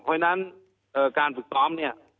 เพราะฉะนั้นการฝึกซ้อมเนี่ย